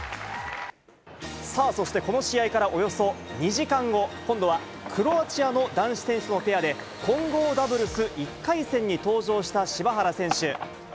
さあ、そしてこの試合からおよそ２時間後、今度はクロアチアの男子選手とのペアで、混合ダブルス１回戦に登場した柴原選手。